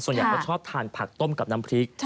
ส่วนใหญ่เขาชอบทานผักต้มกับน้ำพริก